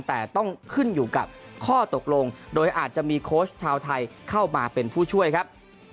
แต่ต้องขึ้นอยู่กับข้อตกลงโดยอาจจะมีโค้ชชาวไทยเข้ามาเป็นผู้ช่วยครับ